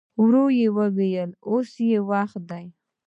ورو يې وويل: اوس يې وخت دی.